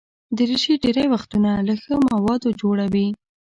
دریشي ډېری وختونه له ښه موادو جوړه وي.